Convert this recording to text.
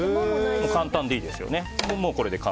簡単でいいですよね。